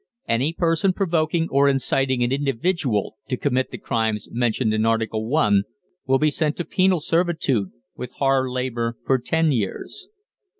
Any person provoking or inciting an individual to commit the crimes mentioned in Article I. will be sent to penal servitude with hard labour for ten years.